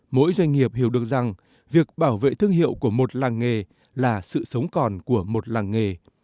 mỗi doanh nghiệp hiểu được rằng việc bảo vệ thương hiệu của một làng nghề là sự sống còn của một làng nghề